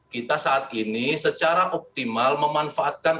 kita saat ini secara optimal memanfaatkan